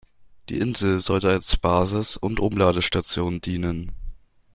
Die Insel sollte als Basis und Umladestation dienen.